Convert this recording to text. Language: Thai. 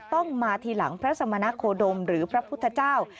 ต้องมาทีหลังพระสมณโคดมหรือพระพุทธเจ้า